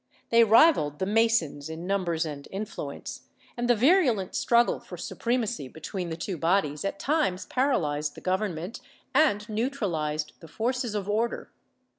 They rivalled the Masons in numbers and influence, and the virulent struggle for supremacy between the two bodies at times paralyzed the Govern ment and neutralized the forces of order.